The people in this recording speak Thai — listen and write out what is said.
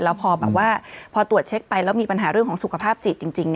แล้วพอแบบว่าพอตรวจเช็คไปแล้วมีปัญหาเรื่องของสุขภาพจิตจริง